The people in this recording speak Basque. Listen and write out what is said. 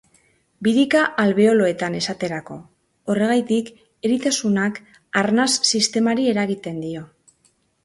Birika-albeoloetan esaterako, horregatik eritasunak arnas sistemari eragiten dio.